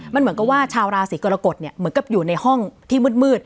มันเหมือนกับว่าชาวราศีกรกฎเหมือนกับอยู่ในห้องที่มืด